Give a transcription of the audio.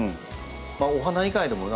お花以外でもね